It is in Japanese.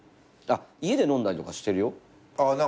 あっ家で飲んだりとかしてるよ。